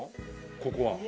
ここは。